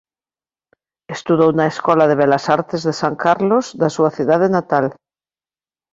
Estudou na Escola de Belas Artes de San Carlos da súa cidade natal.